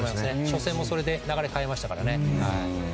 初戦もそれで流れを変えましたから。